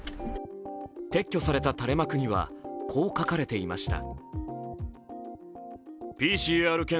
撤去された垂れ幕にはこう書かれていました。